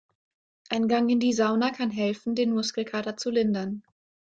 Ein Gang in die Sauna kann helfen, den Muskelkater zu lindern.